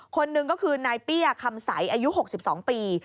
คนหนึ่งก็คือนายเปี้ยคำใสอายุ๖๒ปี